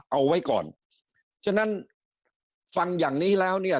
เอาไว้ก่อนฉะนั้นฟังอย่างนี้แล้วเนี่ย